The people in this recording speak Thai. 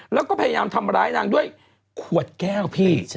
แล้วก็พยายามทำร้ายนางด้วยขวดแก้วพี่